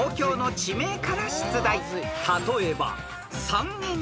［例えば］